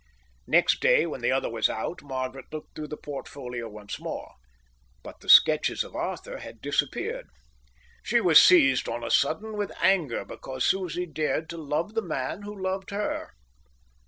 Next day, when the other was out, Margaret looked through the portfolio once more, but the sketches of Arthur had disappeared. She was seized on a sudden with anger because Susie dared to love the man who loved her.